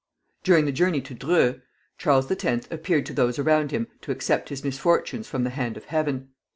During the journey to Dreux, Charles X. appeared to those around him to accept his misfortunes from the hand of Heaven.